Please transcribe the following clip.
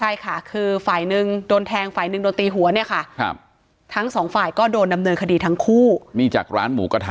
ใช่ค่ะคือฝ่ายหนึ่งโดนแทงฝ่ายหนึ่งโดนตีหัวเนี่ยค่ะครับทั้งสองฝ่ายก็โดนดำเนินคดีทั้งคู่นี่จากร้านหมูกระทะ